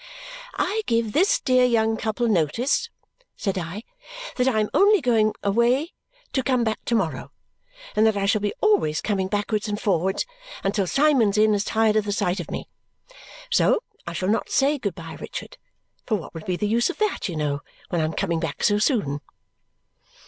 "I give this dear young couple notice," said I, "that I am only going away to come back to morrow and that I shall be always coming backwards and forwards until Symond's Inn is tired of the sight of me. So I shall not say good bye, Richard. For what would be the use of that, you know, when I am coming back so soon!"